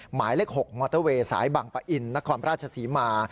หมายเลข๖มอเตอร์เวย์สายบังปะอินนครราชศรีมา